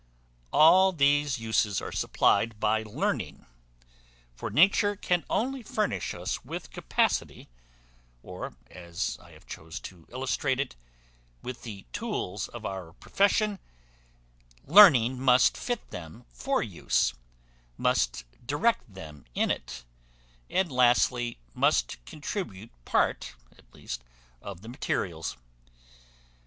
All these uses are supplied by learning; for nature can only furnish us with capacity; or, as I have chose to illustrate it, with the tools of our profession; learning must fit them for use, must direct them in it, and, lastly, must contribute part at least of the materials.